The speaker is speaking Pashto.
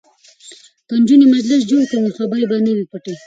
که نجونې مجلس جوړ کړي نو خبرې به نه وي پټې.